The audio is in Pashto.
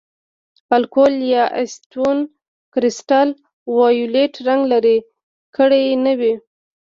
الکول یا اسیټون کرسټل وایولېټ رنګ لرې کړی نه وي.